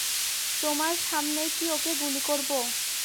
তোমার সামনেই কি ওকে গুলি করব?